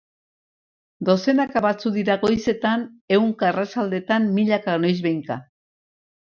Dozenaka batzuk dira goizetan, ehunka arratsaldetan, milaka noizbehinka...